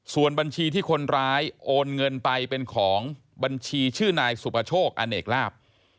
ส่วนบัญชีที่คนร้ายโอนเงินไปเป็นของบัญชีชื่อนายสุปโชคอเนกลาบ